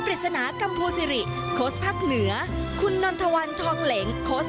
ปริศนากัมพูซิริโค้ชภาคเหนือคุณนนทวันทองเหล็งโค้ช